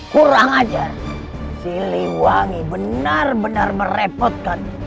kurang ajar siliwangi benar benar merepotkan